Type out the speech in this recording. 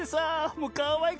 もうかわいくて。